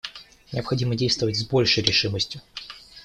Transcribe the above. Необходимо действовать с большей решимостью.